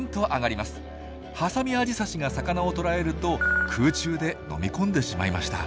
ハサミアジサシが魚を捕らえると空中で飲み込んでしまいました。